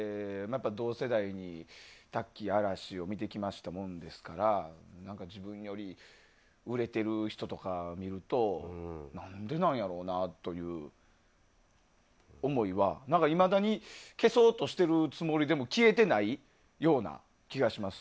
同世代に、タッキー、嵐を見てきたもんですから自分より売れている人とか見ると何でなんやろなっていう思いはいまだに消そうとしているつもりでも消えてないような気がします。